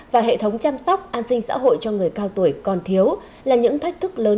và hệ thống chăm sóc an sinh xã hội cho người cao tuổi còn thiếu là những thách thức lớn